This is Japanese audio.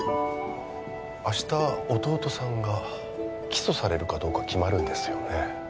明日弟さんが起訴されるかどうか決まるんですよね